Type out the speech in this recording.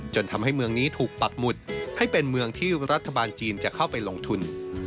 จนทำให้เมืองนี้ถูกปักหมุดให้เป็นเมืองที่รัฐบาลจีนจะเข้าไปลงทุน